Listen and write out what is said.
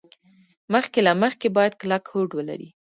مخکې له مخکې باید کلک هوډ ولري.